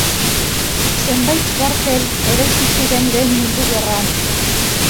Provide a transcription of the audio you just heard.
Zenbait kuartel eraiki ziren Lehen Mundu Gerran.